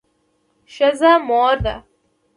ښځه مور ده